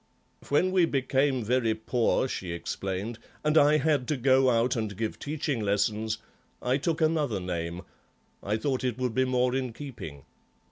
"When we became very poor," she explained, "and I had to go out and give teaching lessons, I took another name; I thought it would be more in keeping.